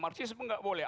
marxismen nggak boleh